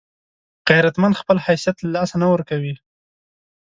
غیرتمند خپل حیثیت له لاسه نه ورکوي